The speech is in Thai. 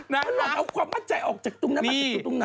นักข่าวเขาเอาความมั่นใจออกจากตรงนั้นมาจากตรงไหน